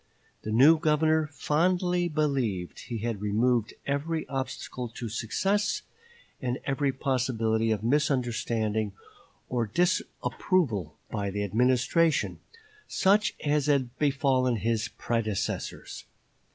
The new Governor fondly believed he had removed every obstacle to success, and every possibility of misunderstanding or disapproval by the Administration, such as had befallen his predecessors.